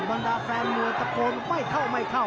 บรรดาแฟนมวยตะโกนไม่เข้าไม่เข้า